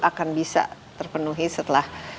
akan bisa terpenuhi setelah